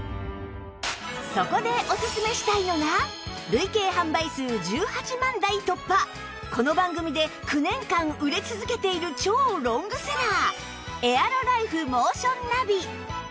そこでおすすめしたいのが累計販売数１８万台突破この番組で９年間売れ続けている超ロングセラーエアロライフモーションナビ